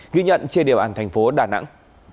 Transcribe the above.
ghi nhận trên điều ảnh thành phố đà nẵng